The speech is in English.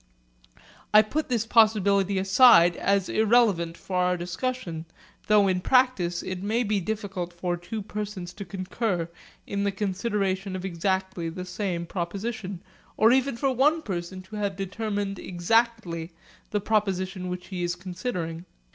I put this possibility aside as irrelevant for our discussion, though in practice it may be difficult for two persons to concur in the consideration of exactly the same proposition, or even for one person to have determined exactly the proposition which he is considering.